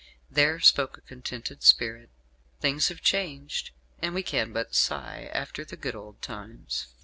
There spoke a contented spirit. Things have changed, and we can but sigh after the good old times.